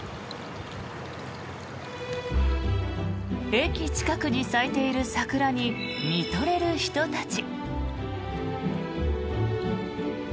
駅近くに咲いている桜に見とれる人たち。